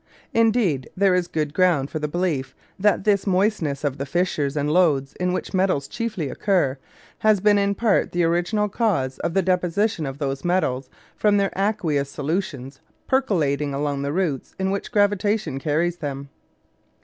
Indeed there is good ground for the belief that this moistness of the fissures and lodes in which metals chiefly occur has been in part the original cause of the deposition of those metals from their aqueous solutions percolating along the routes in which gravitation carries them.